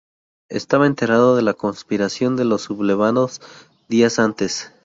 Estaba enterado de la conspiración de los sublevados días antes.